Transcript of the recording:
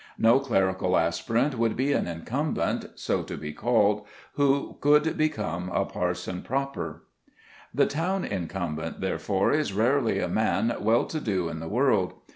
No clerical aspirant would be an incumbent, so to be called, who could become a parson proper. The town incumbent, therefore, is rarely a man well to do in the world.